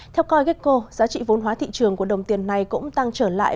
theo koigeco giá trị vốn hóa thị trường của đồng tiền này cũng tăng trở lại